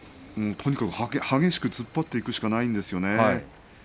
とにかく激しく突っ張っていくしかないんですよね。